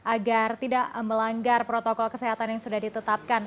agar tidak melanggar protokol kesehatan yang sudah ditetapkan